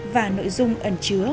và nội dung ẩn chứa